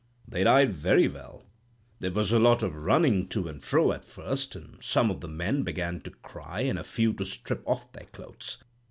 "'They died very well. There was a lot of running to and fro at first, and some of the men began to cry, and a few to strip off their clothes.